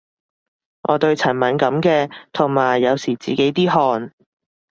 我對塵敏感嘅，同埋有時自己啲汗